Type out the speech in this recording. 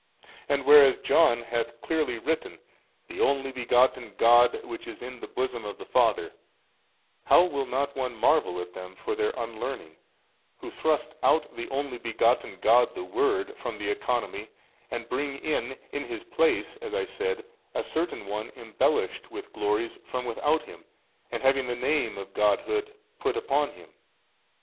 and whereas John hath clearly written, The Only Begotten God which is in the Bosom of the Father, how will not one marvel at them for their unlearning who thrust out the Only Begotten God the Word from the Economy and bring in in His place (as I said) a certain one embellished with glories from without him and having the name of Godhead put upon him?